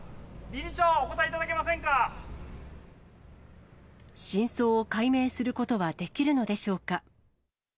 理事長、真相を解明することはできるのでしょうか。